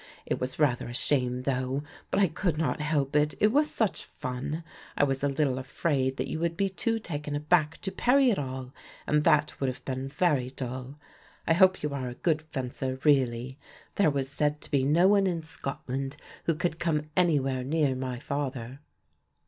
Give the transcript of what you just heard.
It was rather a shame though, but I could not help it, it was such fun. I was a little afraid that you would be too taken aback to parry at all, and that would have been very dull. I hope you are a good fencer really; there was said to be no one in Scotland who could come anywhere near my father."